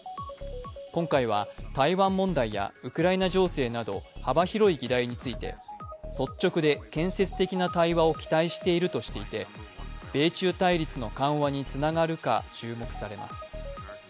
今回は台湾問題やウクライナ情勢など幅広い議題について率直で建設的な対話を期待しているとしていて米中対立の緩和につながるか注目されます。